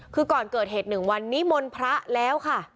คือก่อนเกิดเหตุหนึ่งวันนี้มนพระแล้วค่ะ